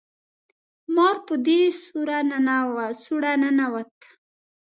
مار په دې سوړه ننوت